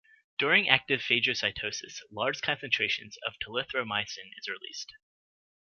During active phagocytosis, large concentrations of telithromycin is released.